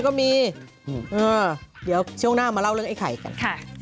ก็มีเออเดี๋ยวช่วงหน้ามาเล่าเรื่องไอ้ไข่กันค่ะ